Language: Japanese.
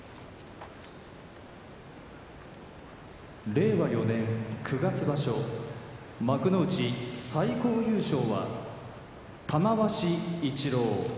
令和４年九月場所幕内最高優勝は玉鷲一朗。